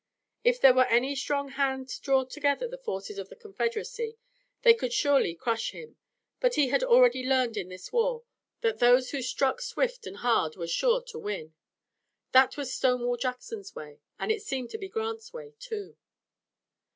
If there were any strong hand to draw together the forces of the Confederacy they could surely crush him. But he had already learned in this war that those who struck swift and hard were sure to win. That was Stonewall Jackson's way, and it seemed to be Grant's way, too.